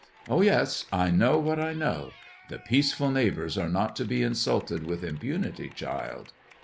Oh, yes ; I know what I know. The peaceful neighbours are not to be insulted with impunity, child."